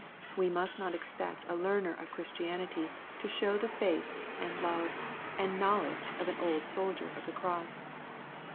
We must not expect a learner of Christianity to show the faith, and love, and knowledge of an old soldier of the cross.